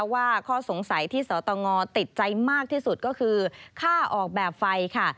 ว่าข้อสงสัยที่สตงติดใจมากที่สุดก็คือค่าออกแบบไฟค่ะ